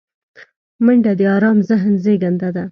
منډه د آرام ذهن زیږنده ده